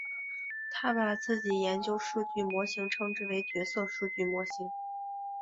他把自己研究数据模型称之为角色数据模型。